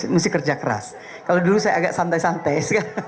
mesti kerja keras kalau dulu saya agak santai santai